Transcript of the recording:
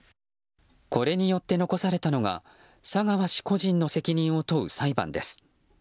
これによって残されたのが佐川氏個人の責任を問う裁判です。